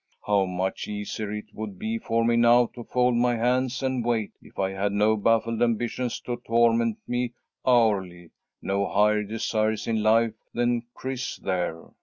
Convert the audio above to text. How much easier it would be for me now to fold my hands and wait, if I had no baffled ambitions to torment me hourly, no higher desires in life than Chris there."